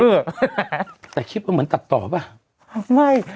เออแต่คลิปมันเหมือนตัดต่อป่ะไม่